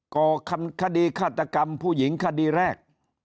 ก่อคดีฆาตกรรมผู้หญิงคดีแรก